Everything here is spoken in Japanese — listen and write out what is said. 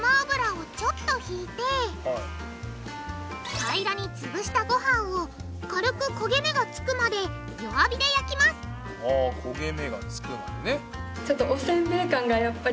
フライパンに平らにつぶしたごはんを軽く焦げ目がつくまで弱火で焼きます焦げ目がつくまでね。